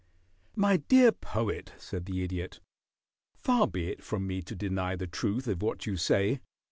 "My dear Poet," said the Idiot, "far be it from me to deny the truth of what you say.